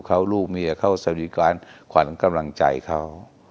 เขาลูกเมียเขาสวัสดิษฐ์การความกำลังใจเขา